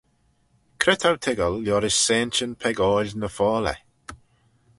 Cre t'ou toiggal liorish sayntyn peccoil ny foalley?